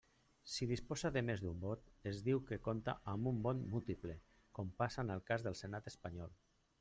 Si disposa de més d'un vot, es diu que compta amb un vot múltiple, com passa en el cas del Senat espanyol.